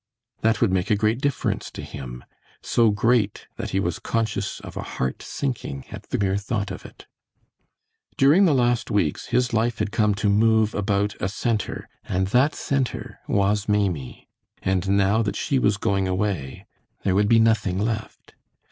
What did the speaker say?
That would make a great difference to him, so great that he was conscious of a heart sinking at the mere thought of it. During the last weeks, his life had come to move about a center, and that center was Maimie; and now that she was going away, there would be nothing left.